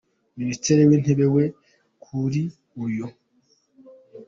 Minisitiri w’Intebe wa, kuri uyu.